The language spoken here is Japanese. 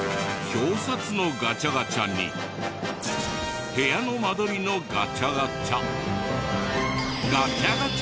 表札のガチャガチャに部屋の間取りのガチャガチャ。